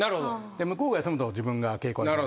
向こうが休むと自分が稽古相手が。